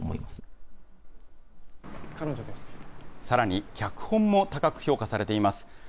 さらに、脚本も高く評価されています。